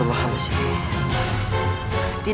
aku harus menolongnya